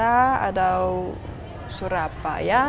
jakarta atau surabaya